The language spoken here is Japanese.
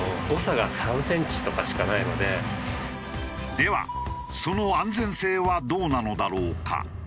ではその安全性はどうなのだろうか？